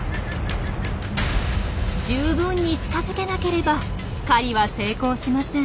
十分に近づけなければ狩りは成功しません。